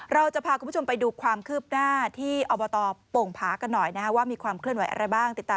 เราจะพาคุณผู้ชมไปดูความคืบหน้า